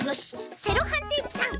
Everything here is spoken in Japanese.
セロハンテープさん。